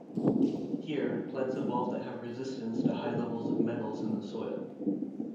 Here, plants evolve that have resistance to high levels of metals in the soil.